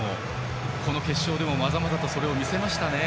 この決勝でも、まざまざとそれを見せられましたね。